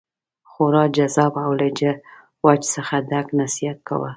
خورا جذاب او له وجد څخه ډک نصیحت کاوه.